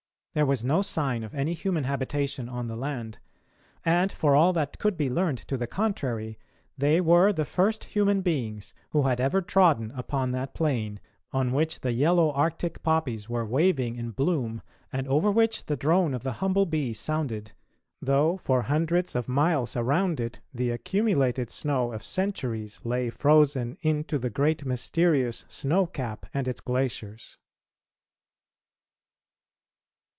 There was no sign of any human habitation on the land, and for all that could be learned to the contrary, they were the first human beings who had ever trodden upon that plain, on which the yellow Arctic poppies were waving in bloom and over which the drone of the humble bee sounded, though for hundreds of miles around it the accumulated snow of centuries lay frozen into the great mysterious snow cap and its glaciers.